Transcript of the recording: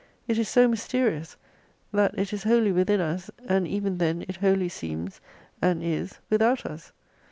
It is so mysterious, that it is wholly within us, and even then it wholly seems and is with out us.